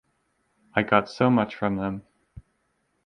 I got so much from them.